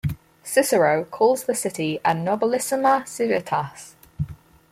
Cicero calls the city a "nobilissima civitas".